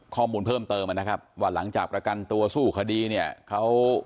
ข้อมูลเพิ่มเติมนะครับว่าหลังจากประกันตัวสู้คดีเนี่ยเขา